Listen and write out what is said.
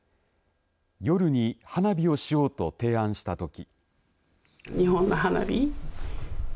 夜に花火をしようと提案したとき。